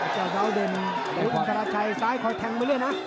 จะเอาเป็นอินทราชัยสายขอยแทงมาเลยนะ